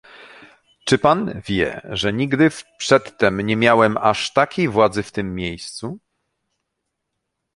Czy pan wie, że nigdy przedtem nie miałem aż takiej władzy w tym miejscu!